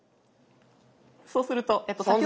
そうすると。